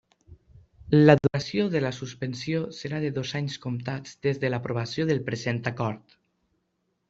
La duració de la suspensió serà de dos anys comptats des de l'aprovació del present acord.